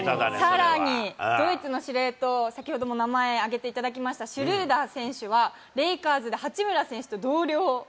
さらに、ドイツの司令塔、先ほども名前、挙げていただきましたシュルーダー選手は、レイカーズで八村選手と同僚。